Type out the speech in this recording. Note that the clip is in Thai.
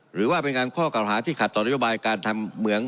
หรือว่าเป็นการข้อเก่าหาที่ขัดต่อนโยบายการทำเหมือง